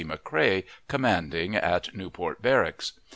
McCrea, commanding at Newport Barracks.